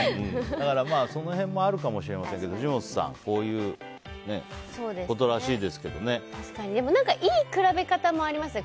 だから、その辺もあるかもしれませんけど藤本さんいい比べ方もありますよね。